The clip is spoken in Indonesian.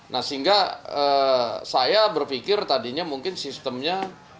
nah sehingga saya berpikir tadinya mungkin sistemnya